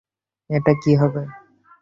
এটা কি হবে?